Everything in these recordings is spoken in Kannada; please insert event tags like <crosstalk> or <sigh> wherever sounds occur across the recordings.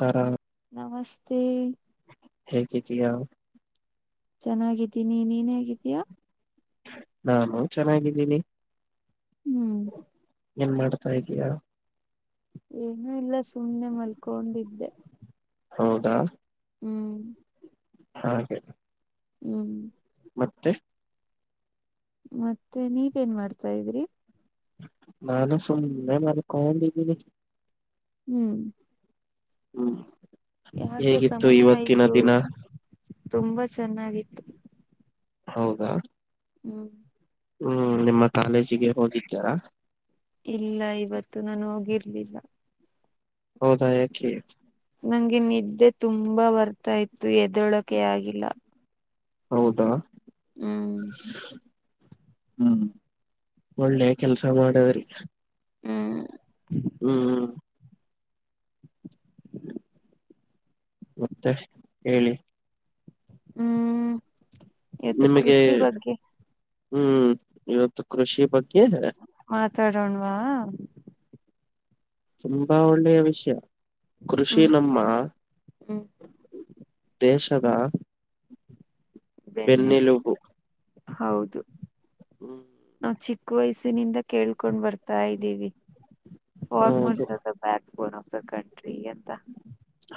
ಕಾರಣ. ನಮಸ್ತೆ. ಹೇಗಿದೆಯಾ. ಚೆನ್ನಾಗಿದ್ದೀನಿ ನೀನ್ ಹೇಗಿದ್ದೀಯಾ. ನಾನು ಚೆನ್ನಾಗಿದ್ದೀನಿ. ಹ್ಮ್ ಏನ್ ಮಾಡ್ತಾ ಇದೀಯಾ. ಏನುೂ ಇಲ್ಲ ಸುಮ್ಮ್ನೆ ಮಲ್ಕೊಂಡಿದ್ದೆ. ಹೌದಾ. ಹ್ಮ್. ಹಾಗೆ. ಹ್ಮ್. ಮತ್ತೆ. ಮತ್ತೆ ನೀವೇನ್ ಮಾಡ್ತಾ ಇದ್ರಿ. ನಾನು ಸುಮ್ಮನೆ ಮನೆ ಕೊಂಡಿದ್ದೀನಿ. ಹ್ಮ್. ಹ್ಮ್ ಯಾಕೆ ಹೇಗಿತ್ತು ಸಮಯ ಇವತ್ತಿನ ಆಯ್ತು ದಿನ. ತುಂಬಾ ಚೆನ್ನಾಗಿತ್ತು. ಹೌದಾ. ಹೂ ಹ್ಮ್ ನಿಮ್ಮ ಕಾಲೇಜಿಗೆ ಹೋಗಿದ್ದರಾ. ಇಲ್ಲ ಇವತ್ತು ನಾನು ಹೋಗಿರ್ಲಿಲ್ಲ. ಹೌದಾ ಯಾಕೆ ನಂಗೆ ನಿದ್ದೆ ತುಂಬಾ ಬರ್ತಾ ಇತತ್ತು ಎದೊಳಕೆ ಆಗಿಲ್ಲ ಹೌದಾ ಹ್ಮ್ ಹ್ಮ್ ಒಳ್ಳೆ ಕೆಲ್ಸ ಮಾಡದ್ರಿ ಹ್ಮ್ ಹ್ಮ್್ಮ ಮತ್ತೆ ಹೇಳಿ ಹ್ಮ್ ಇವತ್ತು ನಿಮಗೆ ಕೃಷಿ ಬಗ್ಗೆ ಹ್ಮ್ ಇವತ್ತು ಕೃಷಿ ಬಗ್ಗೆ ಮಾತಾಡೋಣ್ವಾ ತುಂಬಾ ಒಳ್ಳೆಯ ವಿಷಯ ಕೃಷಿ ಹ್ಮ್ ನಮ್ಮ ಹ್ಮ್ ದೇಶದ ಬೆನ್ನೆಲು ಬೆನ್ನೆಲುಬು ಹೌದು ಹ್ಮ್ ನಾ್ ಚಿಕ್ಕ ವಯಸ್ಸಿನಿಂದ ಕೇಳ್ಕೊಂಡ್ ಬರ್ತವಿ ಹತಾ ಇದ್ದೀವಿ ಹೌದು farmers the backbone of the country ಅಂತ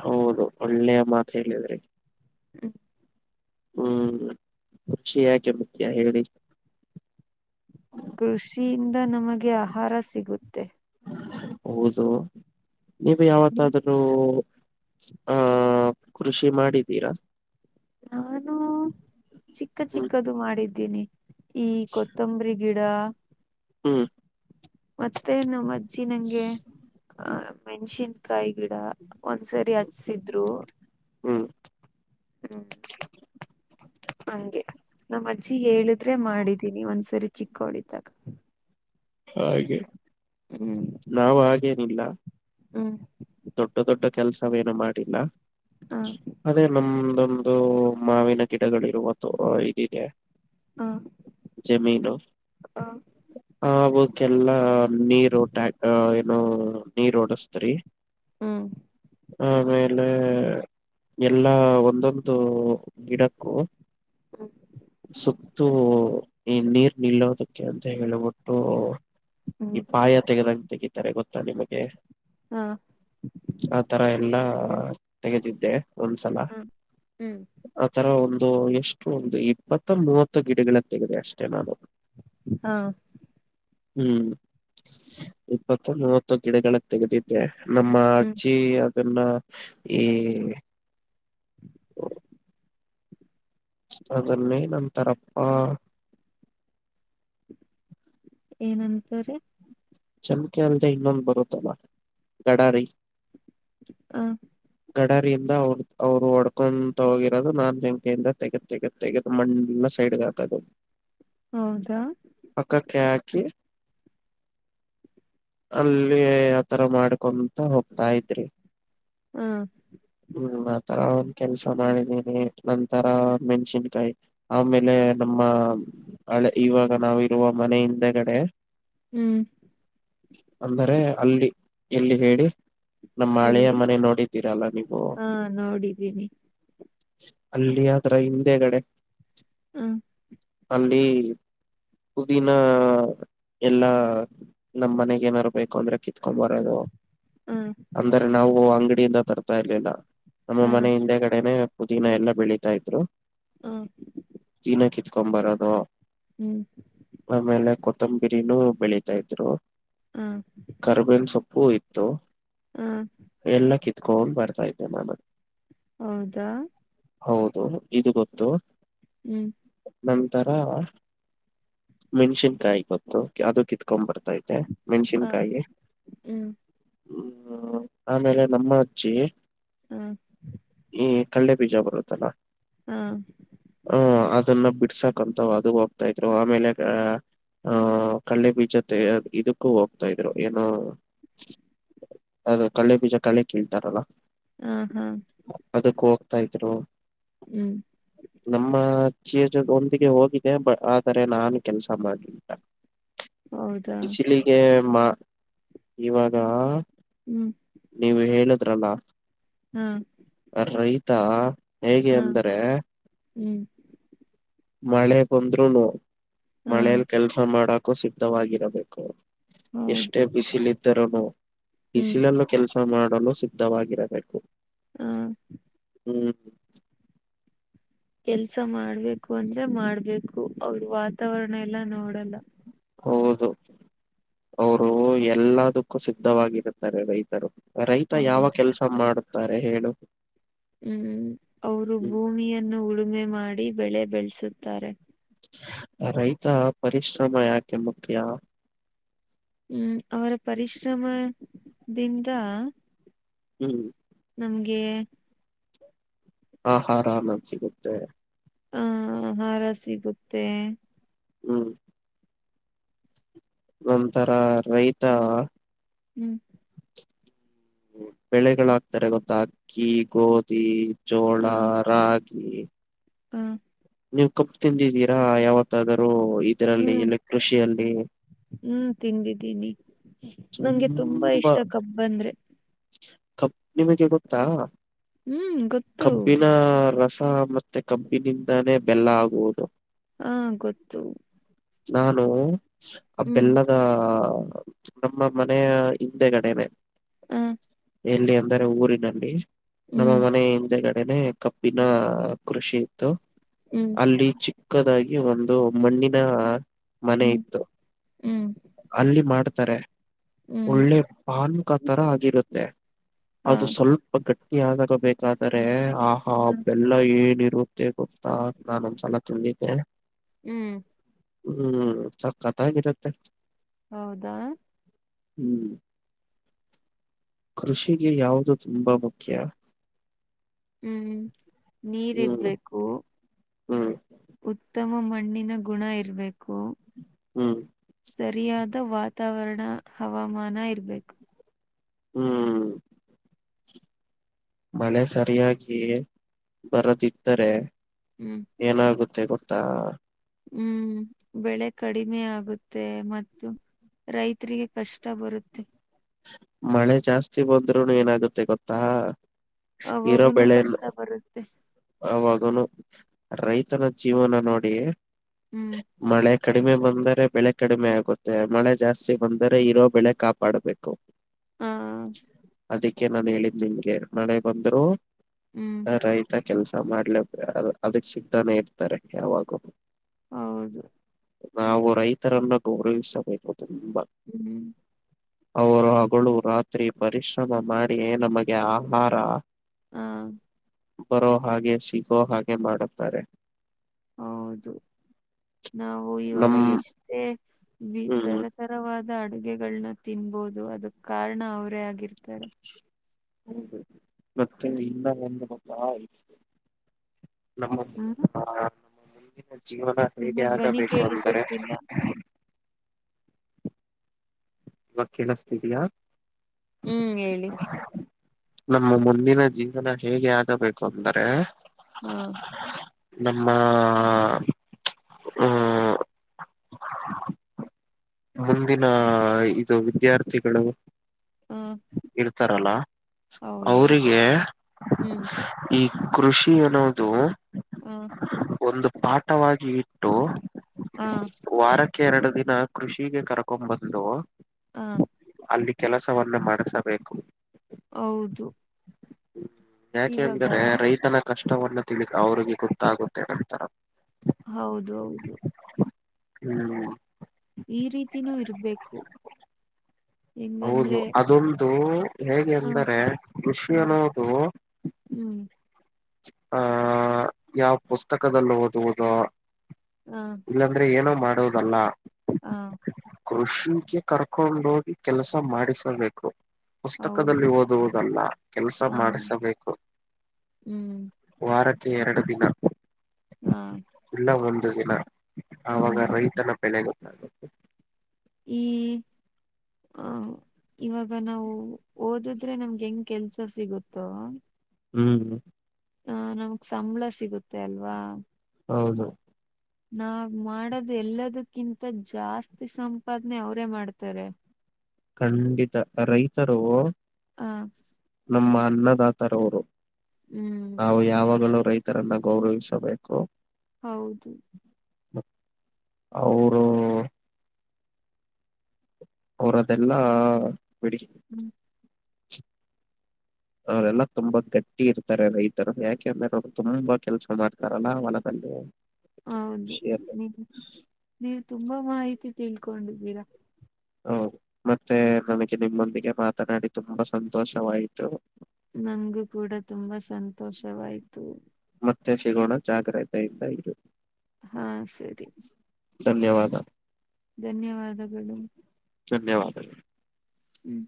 ಹೌದು ಒಳ್ಳೆಯ ಮಾತು ಹೇಳಿದ್ರಿ ಹ್ಮ ಹ್ಮ್ ಖುಷಿ ಯಾಕೆ ಮುಖ್ಯಾ ಹೇಳಿ ಕೃಷಿಯಿಂದ ನಮಗೆ ಆಹಾರ ಸಿಗುತ್ತೆ ಹೌದು ನೀವು ಹ್ಮ್. ಯಾವತ್ತಾದರ ನೀ ಆಹ ಕೃಷಿ ಮಾಡಿದ್ದೀರಾ ನಾನು ಚಿಕ್ಕ ಹ್ಮ್ ಚಿಕ್ಕದು ಮಾಡಿದ್ದೀನಿ ಈ ಕೊತ್ತಂಬರಿ ಗಿಡ ಹೂ ಮತ್ತೆನು ಮಜ್ಜಿ ನಂಗೆ ಆ ಹ್ಮ್ ಮೆಣಸಿನ್ಕಾಯಿ ಗಿಡ ಒಂದ್ಸರಿ ಹಚ್ಸಿದ್ರು ಹ್ಮ್ ಹ್ಮ ಹಗೆ ನಮ್ಮ ಅಜ್ಜಿ ಹೇಳಿದ್ರೆ ಮಾಡಿದೀನಿ ಒಂದ್ಸರಿ ಚಿಕ್ಕಳಿದ್ದಾಗ ಹಾಗೆ ನಾವು ಹಾಗೇನಿಲ್ಲ ಹ್ಮ ದೊಡ್ಡ ದೊಡ್ಡ ಕೆಲ್ಸವೇನು ಮಾಡಿಲ್ಲ ಹ ಅದೇ ನಮ್ದೊಂದು ಮಾವಿನ ಗಿಡಗಳಿರುವದು ಇದಿದೆ ಹಾ ಜಮೀನು ಹ ಆಗೋಕ್ಕೆ ಎಲ್ಲಾ ನೀರು ಟ್ಯಾ ಏನೋ ನೀರ್ ಓಡಸ್ತರಿ ಹ್ಮ ಆಮೇಲೆ ಎಲ್ಲಾ ಒಂದೊಂದು ಗಿಡಕ್ಕೂ ಹ್ಮ್ ಸ ಇ ಈ ನೀರ್ ನಿಲ್ಲೋದಕ್ಕೆ ಅಂತ ಹೇಳೇಳ್ಬಿಟ್ಟು ಹ್ಮ್ ಈ ಪಾಯ ತೆಗದಂಗ ತೆಗಿತಾರೆ ಗೊತ್ತಾ ನಿಮಗೆ. ಹಾ. ಆತರ ಎಲ್ಲಾ ತೆಗೆದಿದ್ದೆ ಒಂದ್ಸಲ. ಹ್ಮ್ ಹ್ಮ್ ಆತರ ಒಂದು ಎಷ್ಟು ಒಂದು ಇಪ್ಪತ್ತ ಮೂವತ್ತು ಗಿಡಗಳ ತೆಗೆದೆ ಅಷ್ಟೆ ನಾನು. ಹಾ. ಹ್ಮ್ ಇಪ್ಪತ್ತೊ ಮೂವತ್ತೊ ಗಿಡಗಳ ತೆಗೆದಿದ್ದೆ. ನಮ್ಮ ಹ್ಮ್ ಅಜ್ಜಿ ಅದನ್ನ ಈ <inaudible> ಅದನೆನ್ ಅಂತರಪ್ಪ. ಏನಂತರೆ. ಚಮ್ಕೆ ಅಲ್ದೆ ಇನ್ನೊಂದು ಬರುತ್ತಲ್ಲ ಗಡಾರಿ. ಹ ಗಡರಿಯಿಂದ ಅವ್ರ ಅವ್ರು ಹೊಡ್ಕೊಂತ ಹೋಗಿರೋದು ನಾನ್ <unintelligible> ಜಂಕೆಯಿಂದ ತೆಗೆದ ಏಗತ್ತ ತೆಗದು ಮಣ್ಣ ಎಲ್ಲ ಸೈಡ್ ಗ ಹಾಕದು. ಹೌದಾ. ಪಕ್ಕಕ್ಕೆ ಹಾಕಿ. ಅಲ್ಲಿ ಆತರ ಮಾಡ್ಕೊಂತ ಹೋಗ್ತಾ ಇದ್ರಿ. ಹಾ. ಹ್ಮ್ ಆತರ ಒಂದ ಕೆಲ್ಸ ಮಾಡಿದೀನಿ ನಂತರ ಮೆಣ್ಸಿನ್ಕಾಯಿ. ಆಮೇಲೆ ನಮ್ಮ ಹಳೆ ಇವಾಗ ನಾವಿರುವ ಮನೆಯಿಂದಗಡೆ. ಹ್ಮ್ ಅಂದರೆ ಅಲ್ಲಿ ಎಲ್ಲಿ ಹೇಳಿ ನಮ್ಮ ಹಳೆಯ ಇಲ್ಲಿ ಮನೆ ನೋಡಿದ್ದೀರಲ್ಲ ನೀವು್. ಹಾ ನೋಡಿದ್ದೀನಿ. ಅಲ್ಲಿ ಆದ್ರ ಹಿಂದೆಗಡೆ. ಹ್ಮ್. ಅಲ್ಲಿ ಪುದಿನಾ ಎಲ್ಲಾ. ನಮ್ ಮನೆಗ್ ಏನಾರು ಬೇಕು ಅಂದ್ರೆ ಕಿತ್ಕೊ್ ಬರೋದು. ಹ್ಮ್. ಅಂದ್ರೆ ನಾವು ಅಂಗಡಿಯಿಂದ ತರ್ತಾ ಇರ್ಲಿಲ್ಲ ನಮ್ಮ ಹ ಮನೆ ಹಿಂದೆ ಕಡೆನೆ. ಪುದೀನ ಎಲ್ಲ ಬೆಳೀತಾ ಇದ್ರು. ಹ ದಿನ ಕಿತ್ಕೊ ಬರೋದು. ಹ್ಮ್. ಆಮೇಲೆ ಕೊತ್ತಂಬರಿನೂ ಬೆಳೀತಾ ಇದ್ರು. ಹ್ಮ್ ಕರ್ಬೇನ್ ಸೊಪ್ಪು ಇತ್ತು. ಹಾ. ಎಲ್ಲ ಕಿತ್ಕೊಂಡ್ ಬರ್ತಾ ಇದ್ದೆ ನಾನು. ಹೌದಾ. ಹೌದು ಇದು ಗೊತ್ತು. ಹ್ಮ್. ನಂತರ. ಮೆಣ್ಸಿನ್ಕಾಯಿ ಗೊತ್ತು ಅದು ಕಿತ್ಕೊಂಡ್ ಬರ್ತಾ ಇದ್ದೆ. ಹ ಮೆಣಸಿನ್ಕಾಯಿ ಹ್ಮ್ ಹ್ಮ್ ಆಮೇಲೆ ನಮ್ಮ ಅಜ್ಜಿ. ಹ ಈ ಕಡ್ಲೆ ಬೀಜ ಬರುತ್ತಲ್ಲ. ಹ ಹ ಅದನ್ನ ಬಿಡ್ಸಾಕಂತವ ಅದು ಹೋಗ್ತಾ ಇದ್ರು ಆಮೇಲ ಅ ಹ ಕಲೆೆ ಬೀಜತೆ ಇದಕ್ಕೂ ಹೋಗ್ತಾ ಇದ್ರೂ ಏನೋ. ಅದು ಕಲೆೆ ಬೀಜ ಕಳೆ ಕೇಳ್ತಾರಲ್ಲ. ಹ ಹ ಅದಕ್ಕ ಹೋಗ್ತಾ ಇದ್ರು. ಹ್ಮ. ನಮ್ಮ ಚಿಜ ಒಂದಿಗೆ ಹೋಗಿದೆ ಬ ಆದರೆ ನಾನು ಕೆಲ್ಸ ಮಾಡ್ಲಲ ಹೌದಾ ಬಿಸಿಲಿಗೆ ಮಾ ಇವಾಗ ಹ್ಮ ನೀವು ಹೇಳುದ್ರಲ್ಲ. ಹಾ ರೈತ ಹೇಗೆ ಅಂದ್ರೆ ಹ್ಮ ಮಳೆ ಬಂದ್ರುನು ಹಾ ಮಳೇಲಿ ಕೆಲ್ಸ ಮಾಡಕು ಸಿದ್ಧವಾಗಿರಬೇಕು. ಎಷ್ಟೇ ಹೌದು ಬಿಸಲ ಇದ್ದರನು ಹ್ಮ್ ಬಿಸಿಲಲ್ಲ ಕೆಲಸ ಮಾಡಲು ಸಿದ್ಧವಾಗಿರಬೇಕು. ಹಾ ಹ್ಮ ಕೆಲ್ಸ ಮಾಡ್ಬೇಕು ಅಂದ್ರ ಮಾಡ್ಬೇಕು ಅವ್ರ ವಾತಾವರಣ ಎಲ್ಲ ನೋಡಲ್ಲ. ಹೌದು ಅವರು ಎಲ್ಲದಕ್ಕೂ ಸಿದ್ಧವಾಗಿರುತ್ತಾರೆ ರೈತರು. ರೈತ ಯಾವ ಹೌದು ಕೆಲ್ಸ ಮಾಡುತ್ತಾರೆ ಹೇಳು. ಹ್ಮ ಅವರು ಹ್ಮ್. ಭೂಮಿಯನ್ನು ಉಳುಮೆ ಮಾಡಿ ಬೆಳೆ ಬೆಳೆಸುತ್ತಾರೆ. ರೈತ ಪರಿಶ್ರಮ ಯಾಕೆ ಮುಖ್ಯ. ಹ್ಮ ಅವರ ಪರಿಶ್ರಮದಿಂದ ಹ್ಮ ನಮ್ಗೆ ಆಹಾರ ನ ಸಿಗುತ್ತೆ. ಅ ಆಹಾರ ಸಿಗುತ್ತೆ. ಹ್ಮ ನಂತರ ರೈತ ಹ್ಞೂ ಬೆಳೆಗಳಾಗ್ತಾರೆ ಗೊತ್ತ ಅಕ್ಕಿ ಗೋಧಿ. ಜೋಳ ರಾಗಿ. ಹಾ ನೀವ ಕಪ್ಪ ತಿಂದಿದ್ದೀರಾ ಯಾವತ್ತಾದರೂ ಇದರಲ್ಲಿ ಹ್ಮ್ ಇಲ್ಲಿ ಕೃಷಿಯಲ್ಲಿ ಹ್ಮ್ ತಿಂದಿದ್ದೀನಿ ನಂಗೆ ತುಂಬಾ ಇಷ್ಟ ಕಬ್ಬ ಅಂದ್ರೆ. ಕಬ್ ನಿಮಗೆ ಗೊತ್ತಾ ಹ್ಮ್ ಗೊತ್ತು ಕಬ್ಬಿನ ರಸ ಮ ಮತ್ತೆ ಕಬ್ಬಿನಿಂದಾನೇ ಬೆಲ್ಲ ಆಗುವುದು. ಹಾ ಗೊತ್ತು. ನಾನು ಆ ಹ್ಮ್ ಬೆಲ್ಲದ ನಮ್ಮ ಮನೆಯ ಹಿಂದೆಗಡೆನೆ ಹ ಎಲ್ಲಿ ಅಂದರೆ ಊರಿನಲ್ಲಿ ನಮ್ಮ ಹ್ಮ್ ಮನ ಹಿಂದೆಗ ಮನೆ ಕಪ್ಪಿನ ಕೃಷಿ ಇತ್ತು ಹ್ಮ್ ಅಲ್ಲಿ ಚಿ ಚಕ್ಕದಾಗಿ ಒಂದು ಮಣ್ಣಿನ ಮನೆ ಹ್ಮ್ ಇತ್ತು ಹ್ಮ್ ಅಲ್ಲಿ ಮಾಡ ಹ್ಮ್ ಒಳ್ಳೆ ಪಾನಕಾ ತರ ಆಗಿರುತ್ತೆ ಹಾ ಅದು ಸ್ವಲ್ಪ ಗಟ್ಟಿ ಆದಾದಾಗ ಬೇಕಾದರೆ ಆಹಾ ಬೆಲ್ಲ ಹ್ಮ್ ಎಲ್ಲ ಏನ್ ಇರುತ್ತೆ ಗೊತ್ತಾ ನಾನ ಒಂದ್ಸಲ ತಿಂದಿದ್ದೆ ಹ್ಮ್ ಹ್ಮ್ ಸಕ್ಕತ್ತಾಗಿರುತ್ತೆ ಹೌದಾ ಹ್ಮ್ ಕೃಷಿಗೆ ಯಾವುದು ತುಂಬಾ ಮುಖ್ಯ ಹ್ಮ್ ಹ್ಮ್ ನೀರ್ರ್ಬೇಕು ಹ್ಮ್ ಉತ್ತಮ ಮಣ್ಣಿನ ಗುಣ ಇರ್ಬೇಕು ಹು ಸರಿಯಾದ ವಾತಾವರಣ ಹವಾಮಾನ ಇರ್ಬೇಕು ಹ್ಮ್ ಮನೆ ಸರಿಯಾಗಿ ಬರದಿದ್ದರೆ ಹು ಏನಾಗುತ್ತೆ ಗೊತ್ತಾ ಹ್ಮ್ ಬೆಳೆ ಕಡಿಮೆ ಆಗುತ್ತೆ ಮತ್ತು ರೈತರಿಗೆ ಕಷ್ಟ ಬರುತ್ತೆ ಮಳೆ ಜಾಸ್ತಿ ಬಂದ್ರೂನೂ ಏನಾಗುತ್ತೆ ಗೊತ್ತಾ ಇರೋ ಅವಾಗುನು ಬೆಳೆಲ್ಲ ಕಷ್ಟ ಬರುತ್ತೆ ಅವಾಗನು ರೈತನ ಜೀವನ ನೋಡಿ ಹ್ಮ್ ಮಳೆ ಕಡಿಮೆ ಬಂದರೆ ಬೆಳೆ ಕಡಿಮೆ ಆಗುತ್ತೆ ಮಳೆ ಜಾಸ್ತಿ ಬಂದರೆ ಇರೋ ಬೆಳೆ ಕಾಪಾಡ್ಬೇಕು <inaudible> ಹಾ ಅದಕ್ಕೆ ನಾನ್ ಹೇಳಿದ ನಿಮಗೆ ನಳೆ ಬಂದ್ರು ಹ್ಮ್ ರೈತ ಕೆಲ್ಸ ಮಾಡ್ಲೇ ಅದಕ್ ಸಿಗ್ತಾನೆ ಇರ್ತಾರೆ ಯಾವಾಗೂ ಹೌದು ನಾವು ರೈತರನ್ನ ಗೌರವಿಸಬೇಕು ತುಂಬಾ ಹ್ಮ್ ಅವರು ಹಗಳು ರಾತ್ರಿ ಪರಿಶ್ರಮ ಮಾಡಿ ನಮಗೆ ಆಹಾರ ಹಾ ಬರೋ ಹಾಗೆ ಸಿಗೋ ಹಾಗೆ ಮಾಡುತ್ತಾರೆ ಹೌದು ನಾವು ಇವಾಗ ನಮ್ ಎಷ್ಟೇ ವಿ ಹ್ಮ್ ತರತರವಾದ ಅಡುಗೆಗಳನ್ನ ತಿನ್ಬೋದು ಅದಕ್ ಕಾರಣ ಅವರೇ ಆಗಿರ್ತಾರೆ ಹೌದು ಮತ್ತೆ ಇ ಒಂದು ಮ ನಮ್ಮ ಹ್ಮ್ ಹ ನಮ್ಮ ಮುಂದಿನ ಜೀವನ ನಿಮ್ಮ ಹೇಗೆ ಧ್ವನಿ ಆಗಬೇಕು ಅಂದರೆ ಕೇಳಿಸುತ್ತಿಲ್ಲ ವಾಕೀಲ ಸ್ಥತಿಯಾ ಹ್ಮ್ ಹೇಳಿ ನಮ್ಮ ಮುಂದಿನ ಜೀವನ ಹೇಗೆ ಆಗಬೇಕು ಅಂದ್ರೆ ಹಾ ನಮ್ಮ ಹ್ಮ್ ಮುಂದಿನ ಇದು ವಿದ್ಯಾರ್ಥಿಗಳು ಹ್ಮ್ ಇರ್ತಾರಲ್ಲ ಅವರಿಗೆ ಹ್ಮ್ ಸ್. ಈ ಕೃಷಿ ಅನ್ನೋದು. ಹ್ಮ್ ಒಂದು ಪಾಠವಾಗಿ ಇಟ್ಟು. ಹ್ಮ್ ವಾರಕ್ಕೆ ಎರಡು ದಿನ ಕೃಷಿಗೆ ಕರ್ಕೊಂಬಂದು. ಹ ಅಲ್ಲಿ ಕೆಲಸವನ್ನು ಮಾಡಿಸಬೇಕು. ಹೌದು. ಯಾಕೆ ಇವಾಗ ಅಂದ್ರೆ ರೈತನ ಕಷ್ಟವನ್ನು ತಿಳ ಅವ್ರಿಗೆ ಗೊತ್ತಾಗುತ್ತೆ ನಂತರ. ಹೌದು ಹೌದು. ಹ್ಮ್ ಈ ರೀತಿನೂ ಇರ್ಬೇಕು. ಹೌದು ಹೆಂಗಂದ್ರೆ ಅದೊಂದು ಹೇಗೆ ಹ ಅಂದರೆ ಹ ಕೃಷಿ ಅನ್ನೋದು. ಹ್ಮ್ ಆಹ್ ಯಾವ ಪುಸ್ತಕದಲ್ಲೊದುವುದೋ. ಹ್ಮ್ ಇಲ್ಲಾಂದ್ರೆ ಏನೋ ಮಾಡೋದಲ್ಲ. ಹ್ಮ್ ಕೃಷಿಗೆ ಕರ್ಕೊಂಡ್ಹೋಗಿ ಕೆಲಸ ಮಾಡಿಸಬೇಕು. ಹೌದು ಪುಸ್ತಕದಲ್ಲಿ ಓದುವುದಲ್ಲ ಕೆಲ್ಸ ಹ ಮಾಡಿಸಬೇಕು. ಹ್ಮ್ ವಾರಕ್ಕೆ ಎರಡು ದಿನ. ಹ್ಮ್ ಇಲ್ಲ ಒಂದು ದಿನ ಆವಾಗ ರೈತನ ಬೆಲೆ ಗೊತ್ತಾಗುತ್ತೆ. ಈ ಹ ಇವಾಗ ನಾವು ಓದಿದ್ರೆ ನಮ್ಗೆ ಹೆಂಗ್ ಕೆಲ್ಸ ಸಿಗುತ್ತೋ. ಹ್ಮ್ ಮ್ ಅ ನಮ್ಗ್ ಸಂಬಳ ಸಿಗುತ್ತೆ ಅಲ್ವಾ. ಹೌದು. ನಾವ್ ಮಾಡದು ಎಲ್ಲದಕ್ಕಿಂತ ಜಾಸ್ತಿ ಸಂಪಾದನೆ ಅವರೇ ಮಾಡ್ತಾರೆ. ಖಂಡಿತ ರೈತರು. ಹಾ ನಮ್ಮ ಅನ್ನದಾತರವರು ಹ್ಮ್ ನಾವು ಯಾವಾಗಲೂ ರೈತ್ ತರನ್ನ ಗೌರವಿಸಬೇಕು. ಹೌದು. ಅವರು. ಅವ್ರದೆಲ್ಲಾ ಬಿಡಿ. ಹ್ಮ್ ಅವರೆಲ್ಲಾ ತುಂಬಾ ಗಟ್ಟಿ ಇರ್ತಾರೆ ರೈತರು ಯಾಕೆ ಅಂದ್ರೆ ಅವರು ತುಂಬಾ ಕೆಲ್ಸ ಮಾಡ್ತಾರಲ್ಲಾ ಹೊಲದಲ್ಲಿ. ಹೌದು ಕೃಷಿಯಲ್ಲಿ ನಿವ್ ನೀವು ತುಂಬಾ ಮಾಹಿತಿ ತಿಳ್ಕೊಂಡಿದ್ದೀರಾ. ಹ್ಮ್ ಮತ್ತೆ ನನಗೆ ನಿಮ್ಮೊಂದಿಗೆ ಮಾತನಾಡಿ ತುಂಬಾ ಸಂತೋಷವಾಯತು. ನನ್ಗು ಕೂಡ ತುಂಬಾ ಸಂತೋಷವಾಯ್ತು. ಮತ್ತೆ ಸಿಗೋಣ ಜಾಗ್ರತೆಯಿಂದ ಇರಿ. ಹಾಂ ಸರಿ. ಧನ್ಯವಾದ ಧನ್ಯವಾದಗಳು ಧನ್ಯವಾದಗಳು ಹ್ಞೂ